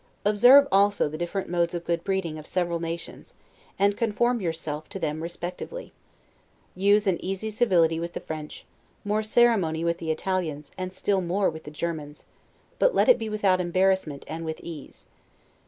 Observe also the different modes of good breeding of several nations, and conform yourself to them respectively. Use an easy civility with the French, more ceremony with the Italians, and still more with the Germans; but let it be without embarrassment and with ease.